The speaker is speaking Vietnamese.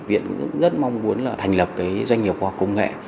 viện rất mong muốn là thành lập doanh nghiệp khoa học công nghệ